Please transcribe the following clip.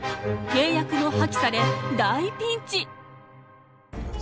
契約も破棄され大ピンチ！